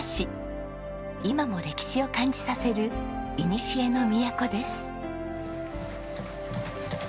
今も歴史を感じさせるいにしえの都です。